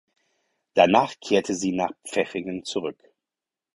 Danach kehrte sie nach Pfeffingen zurück.